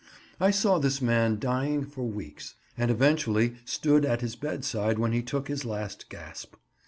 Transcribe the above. I saw this man dying for weeks, and eventually stood at his bedside when he took his last gasp.